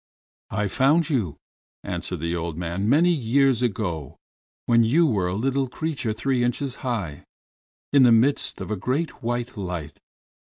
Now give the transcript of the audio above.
"I found you," answered the old man, "many years ago, when you were a little creature three inches high, in the midst of a great white light.